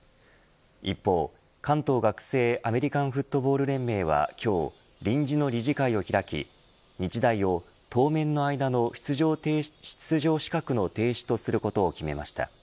一方、関東学生アメリカンフットボール連盟は今日、臨時の理事会を開き日大を当面の間の出場資格の停止とすることを決めました。